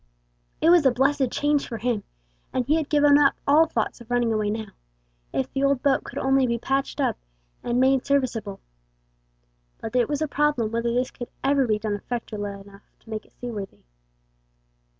It was a blessed change for him, and he had given up all thoughts of running away now, if the old boat could only be patched up and made serviceable. But it was a problem whether this could ever be done effectually enough to make it seaworthy.